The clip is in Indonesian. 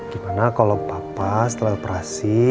gimana kalau papa setelah operasi